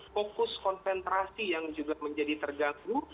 fokus konsentrasi yang juga menjadi terganggu